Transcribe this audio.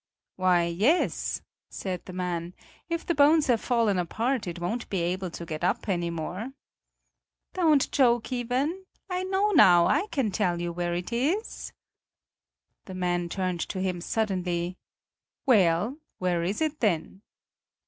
"Why, yes!" said the man, "if the bones have fallen apart, it won't be able to get up any more." "Don't joke, Iven! I know now; I can tell you where it is." The man turned to him suddenly: "Well, where is it, then?"